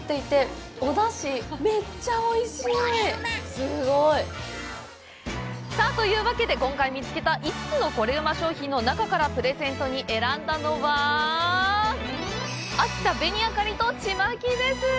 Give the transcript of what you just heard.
すごい。というわけで、今回見つけた５つのコレうま商品の中からプレゼントに選んだのは秋田紅あかりとちまきです！